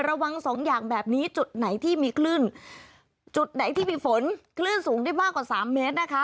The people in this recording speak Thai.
ระวังสองอย่างแบบนี้จุดไหนที่มีฝนคลื่นสูงได้มากกว่า๓เมตรนะคะ